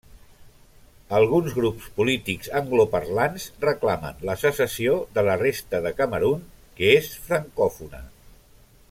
Alguns grups polítics angloparlants reclamen la secessió de la resta de Camerun, que és francòfona.